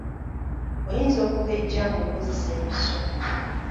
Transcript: Oyinza okugejja ng’okozesa empiso.